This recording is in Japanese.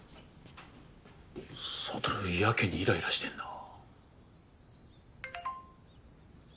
悟やけにイライラしてんな。